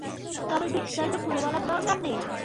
তবে বিস্তারিত খুলে বলার দরকার নেই!